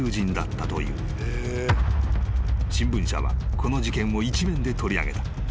［新聞社はこの事件を一面で取り上げた］